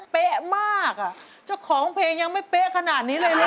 เป๊ะมากอ่ะเจ้าของเพลงยังไม่เป๊ะขนาดนี้เลยนะ